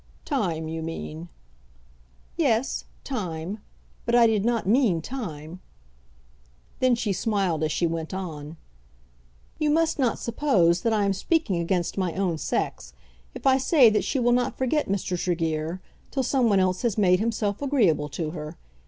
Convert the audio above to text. "Time, you mean." "Yes; time; but I did not mean time." Then she smiled as she went on. "You must not suppose that I am speaking against my own sex if I say that she will not forget Mr. Tregear till someone else has made himself agreeable to her.